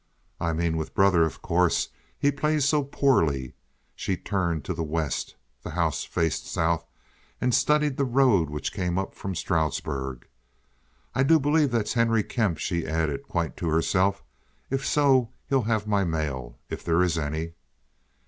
"I mean with brother, of course. He plays so poorly." She turned to the west—the house faced south—and studied the road which came up from Stroudsburg. "I do believe that's Harry Kemp," she added, quite to herself. "If so, he'll have my mail, if there is any."